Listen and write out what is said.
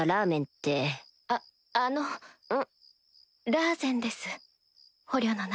ラーゼンです捕虜の名前。